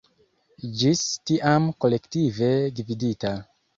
Ĝis tiam kolektive gvidita.